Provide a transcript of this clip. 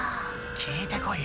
聞いてこいよ。